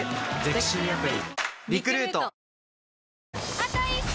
あと１周！